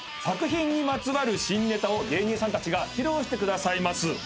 作品にまつわる新ネタを芸人さんたちが披露してくださいます。